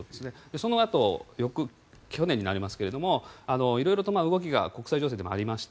そのあと去年になりますが色々と動きが国際情勢でもありまして